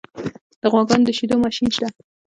د غواګانو د شیدو ماشین شته؟